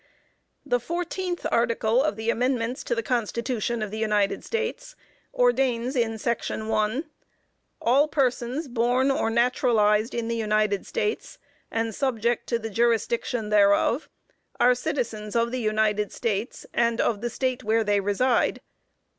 The fourteenth article of the Amendments to the Constitution of the United States, ordains in Section 1, "_All persons born or naturalized in the United States, and subject to the jurisdiction thereof, are citizens of the United States, and of the State where they reside.